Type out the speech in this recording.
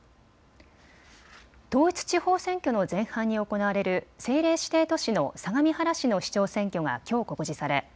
統一地方選挙の前半に行われる政令指定都市の相模原市の市長選挙がきょう告示され